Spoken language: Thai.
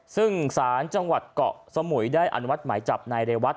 ซึ่งสารจังหวัดเกาะสมุยได้อันวัดไหมจับนายเรวัด